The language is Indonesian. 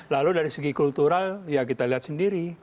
lalu dari segi kultural ya kita lihat sendiri